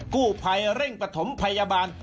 กู้ภัยเร่งประถมพยาบาล